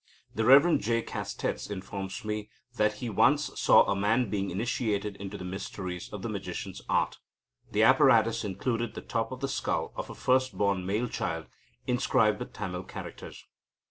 The Rev. J. Castets informs me that he once saw a man being initiated into the mysteries of the magician's art. The apparatus included the top of the skull of a first born male child inscribed with Tamil characters.